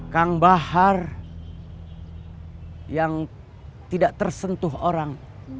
kang bahar yang tidak tersentuh orang